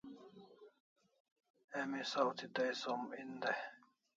Emi saw thi Tay som en day